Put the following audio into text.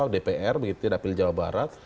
dpr begitu dapil jawa barat